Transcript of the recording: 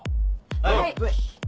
はい！